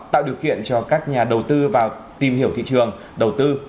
tạo điều kiện cho các nhà đầu tư vào tìm hiểu thị trường đầu tư